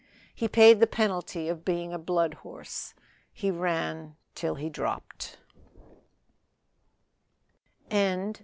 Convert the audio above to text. He paid the penalty of being a blood horse he ran till he dropped.